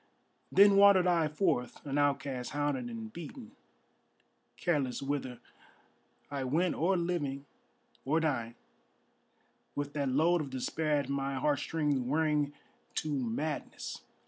Then wandered I forth an outcast hounded and beaten; Careless whither I went or living or dying, With that load of despair at my heartstrings wearing to madness.